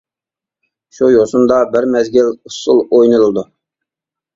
شۇ يوسۇندا بىر مەزگىل ئۇسسۇل ئوينىلىدۇ.